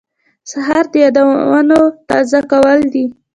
سهار د یادونو تازه کول دي.